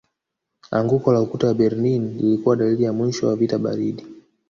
Anguko la ukuta wa Berlin lilikuwa dalili ya mwisho wa vita baridi